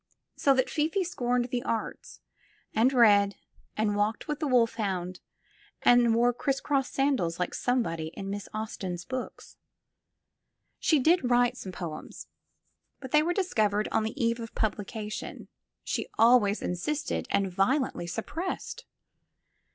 So that Fifi scorned the Arts, and read, and walked with the wolfhound, and wore crisscross sandals like somebody in Miss Austen's books. She did write some poems, but they were discovered, on the eve of publication, she always insisted, and vio lently suppressed.